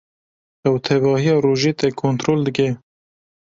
Ew tevahiya rojê te kontrol dike.